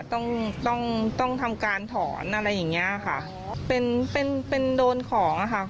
ต้องต้องต้องทำการถอนอะไรอย่างเงี้ยค่ะเป็นเป็นเป็นโดนของอ่ะค่ะ